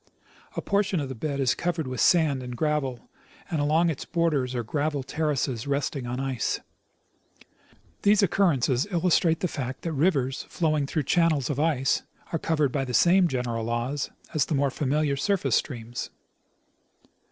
A portion of the bed is covered with sand and gravel, and along its border are gravel terraces resting on ice. These occurrences illustrate the fact that rivers flowing through channels of ice are governed by the same general laws as the more familiar surface streams.